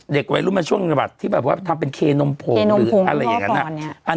เด็กวัยรุ่นมาช่วงจังหวัดที่แบบว่าทำเป็นเคนมผงหรืออะไรอย่างนั้น